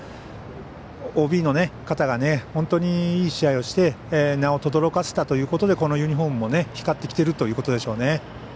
ＯＢの方が本当にいい試合をして名をとどろかせたということでこのユニフォームも光ってきているということでしょうね。